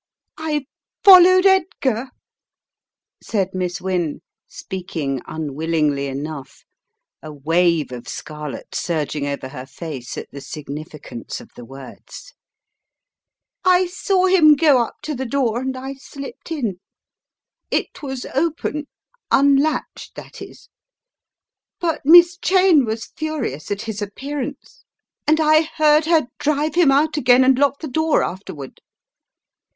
"I followed Edgar," said Miss Wynne, speaking unwillingly enough, a wave of scarlet surging over her face at the significance of the words. "I saw him go up to the door, and I slipped in. It was open — unlatched, that is. But Miss Cheyne was furious at his appearance and I heard her drive him << A Tale Unfolded 99 299 trot again and lock the door afterward.